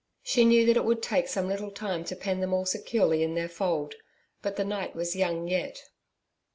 She knew that it would take some little time to pen them all securely in their fold. But the night was young yet.